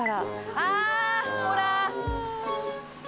あほら！